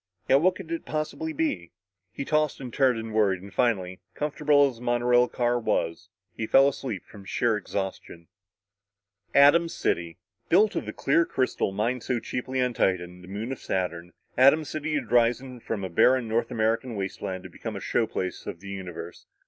Yet what could it possibly be? He tossed and turned and worried and finally comfortable as the monorail car was he fell asleep from sheer exhaustion. Atom City! Built of the clear crystal mined so cheaply on Titan, moon of Saturn, Atom City had risen from a barren North American wasteland to become a show place of the universe.